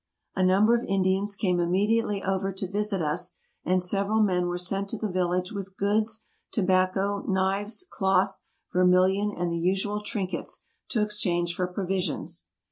A number of Indians came immediately over to visit us, and several men were sent to the village with goods, tobacco, knives, cloth, vermilion, and the usual trinkets, to exchange for provisions.